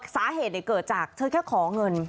สาเหตุเกิดจากเธอแค่ขอเงิน